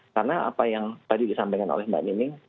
karena apa yang tadi disampaikan oleh mbak nining